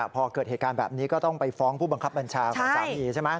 พอเกิดเหตุการณ์แบบนี้ก็ต้องไปฟ้องผู้บังคับบัญชาของสามีใช่ไหม